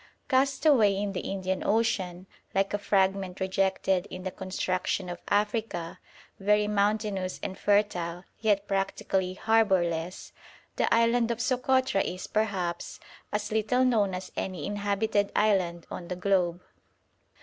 Cast away in the Indian Ocean, like a fragment rejected in the construction of Africa, very mountainous and fertile, yet practically harbourless, the island of Sokotra is, perhaps, as little known as any inhabited island on the globe.